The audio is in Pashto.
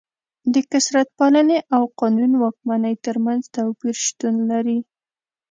د کثرت پالنې او قانون واکمنۍ ترمنځ توپیر شتون لري.